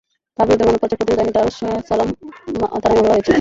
তাঁর বিরুদ্ধে মানব পাচার প্রতিরোধ আইনে দারুস সালাম থানায় মামলা হয়েছে।